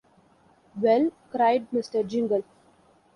‘Well,’ cried Mr. Jingle.